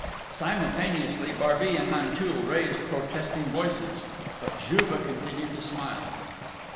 Simultaneously, Barbey and Nanteuil raised protesting voices: but Juve continued to smile.